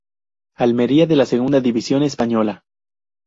Almería de la segunda división española.